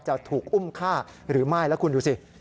จะถูกอุ้มฆ่าหรือไม่แล้วคุณดูสิ